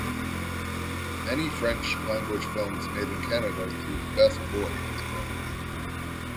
Many French language films made in Canada use "Best Boy" in the credits.